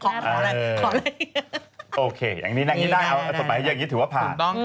โอเคอย่างนี้ถือว่าผ่าน